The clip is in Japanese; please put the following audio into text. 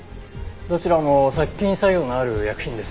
どちらも殺菌作用のある薬品ですね。